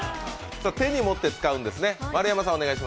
手に持って使うんですね。